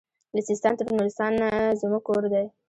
له سیستان تر نورستانه زموږ کور دی